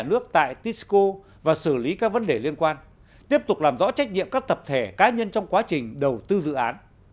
nhà nước tại tisco và xử lý các vấn đề liên quan tiếp tục làm rõ trách nhiệm các tập thể cá nhân trong quá trình đầu tư dự án